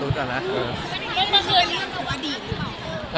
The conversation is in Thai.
มันเป็นเรื่องของอดีตครับ